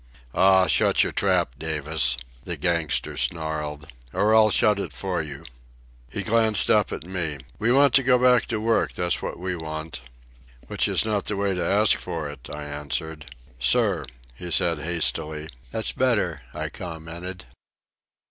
"Aw, shut your trap, Davis," the gangster snarled, "or I'll shut it for you." He glanced up to me. "We want to go back to work, that's what we want." "Which is not the way to ask for it," I answered. "Sir," he added hastily. "That's better," I commented.